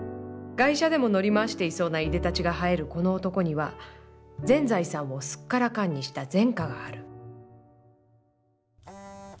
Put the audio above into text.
外車でも乗り回していそうな出で立ちが映えるこの男には全財産をスッカラカンにした前科がある」。